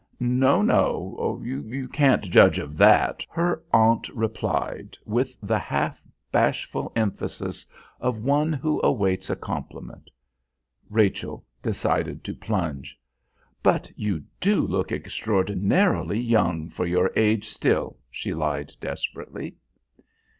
"No, no, you can't judge of that," her aunt replied, with the half bashful emphasis of one who awaits a compliment. Rachel decided to plunge. "But you do look extraordinarily young for your age still," she lied desperately.